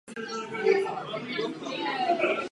Má podobu nevýrazného odlesněného návrší.